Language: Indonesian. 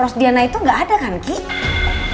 rosdiana itu gak ada kan ki